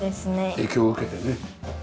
影響を受けてね。